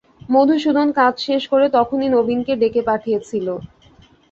মধুসূদন কাজ শেষ করে তখনই নবীনকে ডেকে পাঠিয়েছিল।